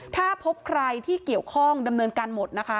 ถ้าพบใครที่เกี่ยวข้องดำเนินการหมดนะคะ